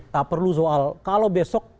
tak perlu soal kalau besok